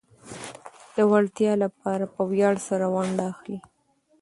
د پياوړتيا لپاره په وياړ سره ونډه اخلي.